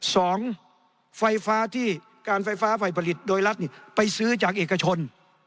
สองไฟฟ้าที่การไฟฟ้าฝ่ายผลิตโดยรัฐไปซื้อจากเอกชน